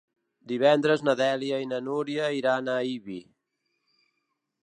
Divendres na Dèlia i na Núria iran a Ibi.